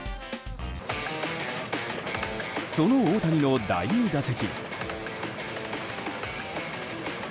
その大谷の第２打席。